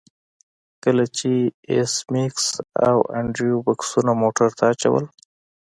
کله چې ایس میکس او انډریو بکسونه موټر ته اچول